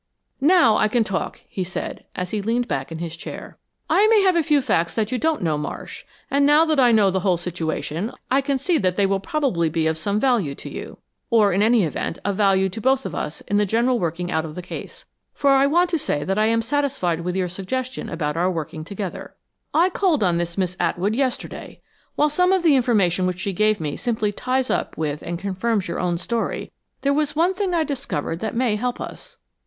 "Now I can talk," he said, as he leaned back in his chair. "I may have a few facts that you don't know, Marsh, and now that I know the whole situation I can see that they will probably be of some value to you. Or in any event, of value to both of us in the general working out of the case. For I want to say that I am satisfied with your suggestion about our working together." "I called on this Miss Atwood yesterday. While some of the information which she gave me simply ties up with and confirms your own story, there was one thing I discovered that may help us.